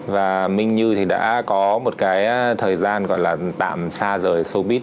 và minh như thì đã có một cái thời gian gọi là tạm xa rời sopit